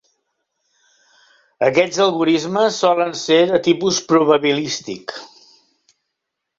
Aquests algorismes solen ser de tipus probabilístic.